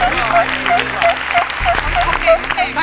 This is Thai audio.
ดารา